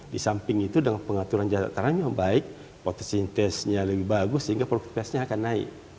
di samping itu dengan pengaturan jarak tanam yang baik potensi intesnya lebih bagus sehingga produktivitasnya akan naik